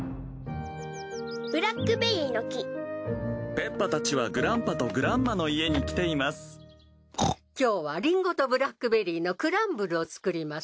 ペッパたちはグランパとグランマの家に来ていますブー今日はリンゴとブラックベリーのクランブルを作ります。